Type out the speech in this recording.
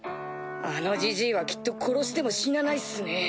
あのジジイはきっと殺しても死なないっすね。